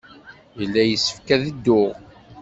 Yella yessefk ad dduɣ.